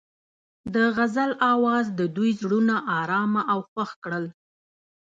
د غزل اواز د دوی زړونه ارامه او خوښ کړل.